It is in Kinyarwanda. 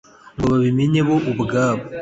ngo bimenye bo ubwabo